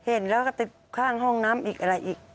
เห็นแล้วก็ติดข้างห้องน้ำอีกอะไรอีก